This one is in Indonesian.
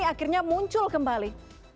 apa yang akhirnya muncul kembali